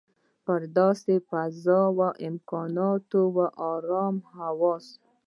په داسې فضا، امکاناتو او ارامه حواسو.